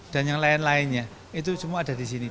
dan yang lain lainnya itu semua ada di sini